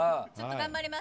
頑張ります。